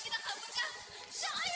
jangan lupa three